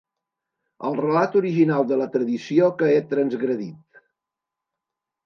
El relat original de la tradició que he transgredit.